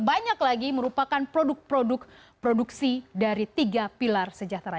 banyak lagi merupakan produk produksi dari tiga pilar sejahtera